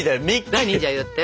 何じゃあやって。